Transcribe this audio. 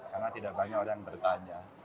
karena tidak banyak orang bertanya